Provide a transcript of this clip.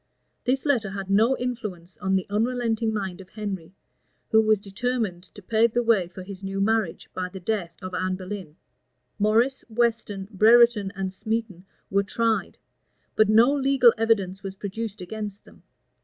[*] This letter had no influence on the unrelenting mind of Henry, who was determined to pave the way for his new marriage by the death of Anne Boleyn. Morris, Weston, Brereton, and Smeton, were tried; but no legal evidence was produced against them.